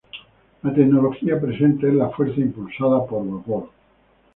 La tecnología presente es la fuerza impulsada por vapor.